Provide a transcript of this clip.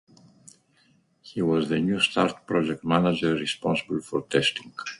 He was the New Start project Manager responsible for testing.